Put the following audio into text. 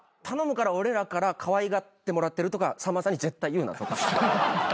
「頼むから俺らからかわいがってもらってるとかさんまさんに絶対言うな」とか。